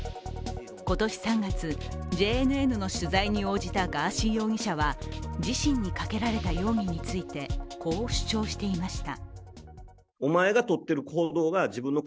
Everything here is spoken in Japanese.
今年３月、ＪＮＮの取材に応じたガーシー容疑者は自身にかけられた容疑についてこう主張していました。